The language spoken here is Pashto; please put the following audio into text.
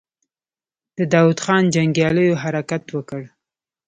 د داوود خان جنګياليو حرکت وکړ.